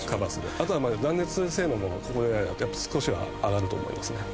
あとはまあ断熱性能もこれでやっぱ少しは上がると思いますね。